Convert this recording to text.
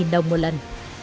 năm mươi đồng một lần